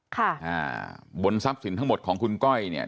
ค่ะอ่าบนทรัพย์สินทั้งหมดของคุณก้อยเนี่ย